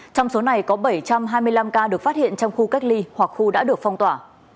trong số này có bảy trăm hai mươi năm ca được phát hiện trong khu cách ly hoặc khu đã được phong tỏa